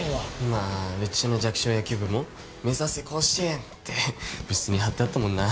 まあうちの弱小野球部も「目指せ甲子園」って部室に貼ってあったもんな。